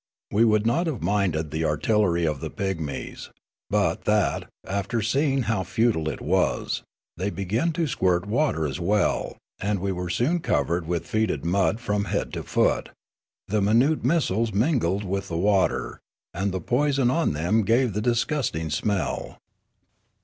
We would not have minded the artillery of the pigmies, but that, after seeing how futile it was, they began to squirt water as well, and we were soon covered with fetid mud from head to foot ; the minute missiles mingled with the water, and the poison on them gave the dis gusting smell.